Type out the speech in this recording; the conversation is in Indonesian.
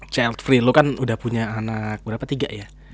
childfree lo kan udah punya anak berapa tiga ya